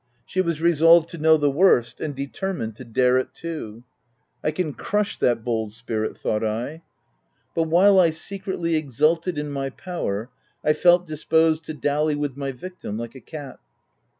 She was resolved to know the worst, and determined to dare it too. 260 THE TENANT. " I can crush that bold spirit," thought I. But while I secretly exulted in my power, I felt dis posed to dally with my victim like a cat.